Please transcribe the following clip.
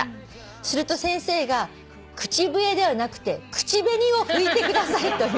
「すると先生が『口笛ではなくて口紅を拭いてください』と」